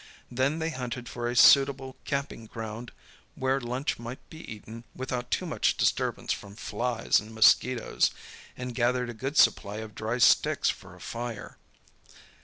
Then they hunted for a suitable camping ground, where lunch might be eaten without too much disturbance from flies and mosquitoes, and gathered a good supply of dry sticks for a fire.